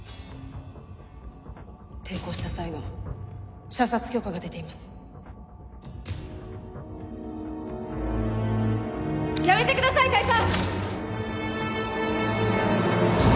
抵抗した際の射殺許可が出ていますやめてください大佐！